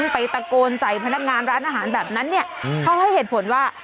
ไปตะโกนใส่พนักงานร้านอาหารแบบนั้นเนี่ยเขาให้เหตุผลว่า